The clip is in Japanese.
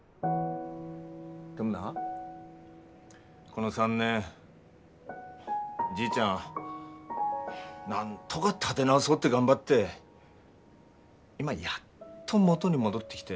でもなこの３年じいちゃんなんとか立て直そうって頑張って今やっと元に戻ってきて。